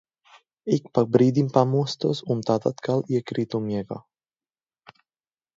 Ik pa brīdim pamostos un tad atkal iekrītu miegā.